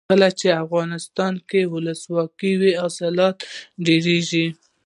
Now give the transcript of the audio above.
کله چې افغانستان کې ولسواکي وي حاصلات ډیریږي.